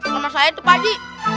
sama saya itu pak ji